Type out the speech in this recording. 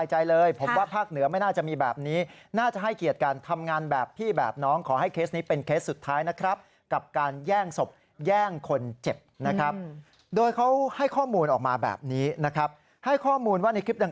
หมาชี้แล้วกันผมไม่อยากเคียง